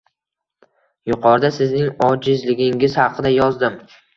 Yuqorida sizning ojizligingiz haqida yozdim.